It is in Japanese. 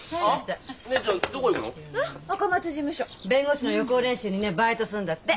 弁護士の予行演習にねバイトするんだって。